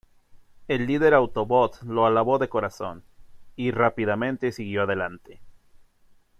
El líder Autobot lo alabó de corazón, y rápidamente siguió adelante.